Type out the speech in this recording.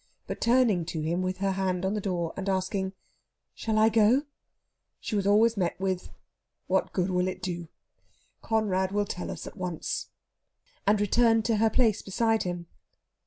But, turning to him with her hand on the door, and asking "Shall I go?" she was always met with "What good will it do? Conrad will tell us at once," and returned to her place beside him.